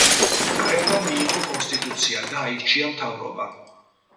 კრებამ მიიღო კონსტიტუცია და აირჩია მთავრობა.